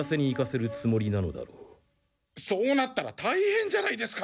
そうなったらたいへんじゃないですか。